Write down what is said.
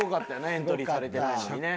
エントリーされてないのにね。